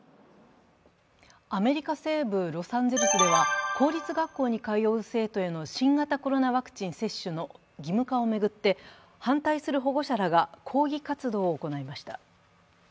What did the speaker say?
アメリカ西部ロサンゼルスでは公立学校に通う生徒への新型コロナワクチン接種の義務化を巡って反対する保護者らが抗議活動を行いました。